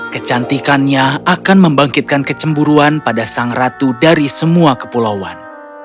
kecantikannya akan membangkitkan kecemburuan pada sang ratu dari semua kepulauan